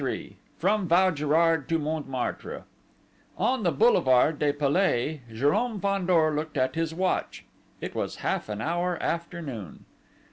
XXIII FROM VAUGIRARD TO MONTMARTRE On the boulevard du Palais, Jérôme Fandor looked at his watch: it was half an hour after noon.